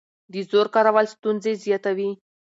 د زور کارول ستونزې زیاتوي